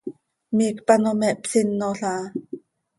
Miicp ano me hpsinol aha.